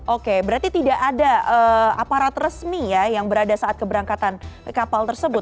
oke berarti tidak ada aparat resmi ya yang berada saat keberangkatan kapal tersebut